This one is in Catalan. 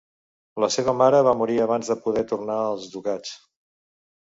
La seva mare va morir abans de poder tornar als ducats.